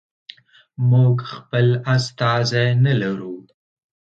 موږ خپل استازی نه لرو.